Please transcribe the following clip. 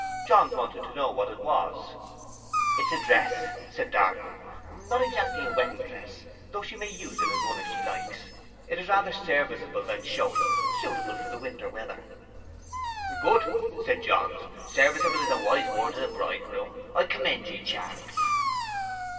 Johns wanted to know what that was. 'It is a dress,' said Darton. 'Not exactly a wedding dress; though she may use it as one if she likes. It is rather serviceable than showy—suitable for the winter weather.' 'Good,' said Johns. 'Serviceable is a wise word in a bridegroom. I commend ye, Charles.